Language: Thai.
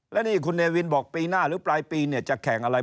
และนี่คุณเนวินบอกปีหน้าหรือปลายปีเนี่ยจะแข่งอะไร